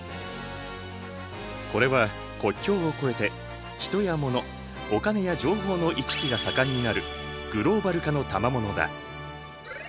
これは国境を越えて人や物お金や情報の行き来が盛んになるグローバル化のたまものだ。